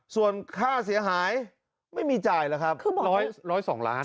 ส่วนค่าเสียหายไม่มีจ่ายหรอกครับ๑๐๒ล้าน